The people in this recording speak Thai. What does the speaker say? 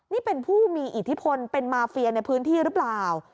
นี่เป็นผู้มีอิทธิพลเป็นมาเฟียในพื้นที่หรือเปล่า